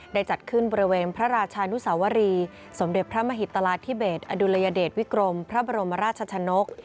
จัดขึ้นบริเวณพระราชานุสวรีสมเด็จพระมหิตราธิเบสอดุลยเดชวิกรมพระบรมราชชนก